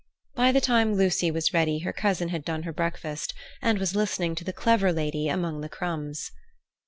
By the time Lucy was ready her cousin had done her breakfast, and was listening to the clever lady among the crumbs.